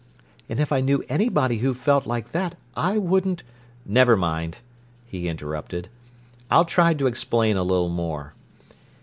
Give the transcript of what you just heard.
"And if I knew anybody who felt like that, I wouldn't—" "Never mind," he interrupted. "I'll try to explain a little more.